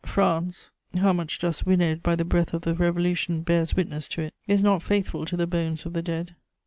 France (how much dust winnowed by the breath of the Revolution bears witness to it) is not faithful to the bones of the dead.